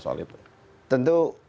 soal itu tentu